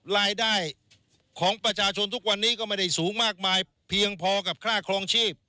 รายได้ของประชาชนทุกวันนี้ก็ไม่ได้สูงมากมายเพียงพอกับค่าครองชีพ